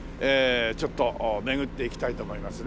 ちょっと巡っていきたいと思いますね。